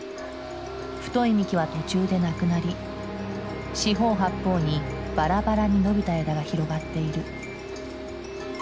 太い幹は途中でなくなり四方八方にバラバラに伸びた枝が広がっている。